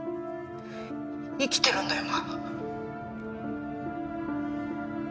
生きてるんだよな